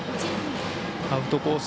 アウトコース